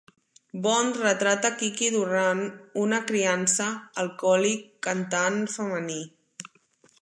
Bond retrata Kiki DuRane, una criança, alcohòlic, cantant femení.